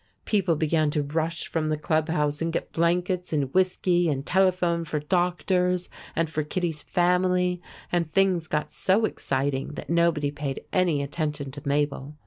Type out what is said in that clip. People began to rush from the club house, and get blankets and whiskey, and telephone for doctors and for Kittie's family, and things got so exciting that nobody paid any attention to Mabel.